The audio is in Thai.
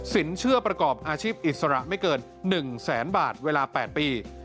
เชื่อประกอบอาชีพอิสระไม่เกิน๑แสนบาทเวลา๘ปี